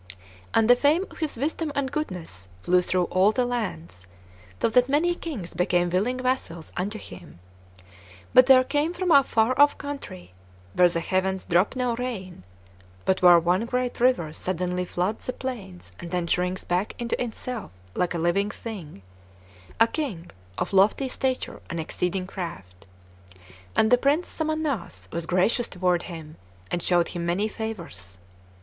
And the fame of his wisdom and goodness flew through all the lands, so that many kings became willing vassals unto him; but there came from a far off country, where the heavens drop no rain, but where one great river suddenly floods the plains and then shrinks back into itself like a living thing, a king of lofty stature and exceeding craft. And the Prince Somannass was gracious toward him, and showed him many favors.